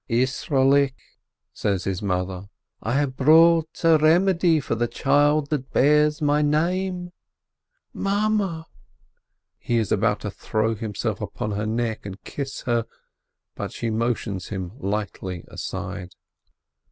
"Isrolik," says his mother, "I have brought a remedy for the child that bears my name." "Mame! ! I" He is about to throw himself upon her neck and kiss her, but she motions him lightly aside.